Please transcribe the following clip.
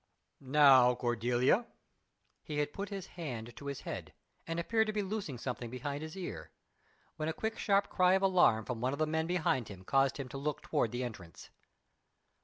"Now, Cordelia." He had put his hand to his head, and appeared to be loosing something behind his ear, when a quick, sharp cry of alarm from one of the men behind him caused him to look toward the entrance.